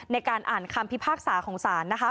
ในการอ่านคำพิพากษาของศาลนะคะ